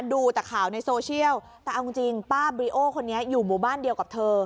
ดูแต่ข่าวในโซเชียลแต่เอาจริงป้าบริโอคนนี้อยู่หมู่บ้านเดียวกับเธอ